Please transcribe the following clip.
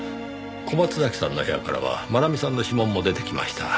小松崎さんの部屋からは真奈美さんの指紋も出てきました。